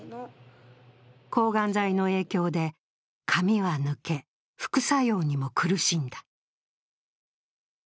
抗がん剤の影響で髪は抜け、副作用にも苦しんだ。